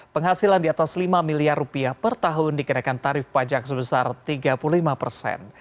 penghasilan di atas lima miliar rupiah per tahun dikenakan tarif pajak sebesar tiga puluh lima persen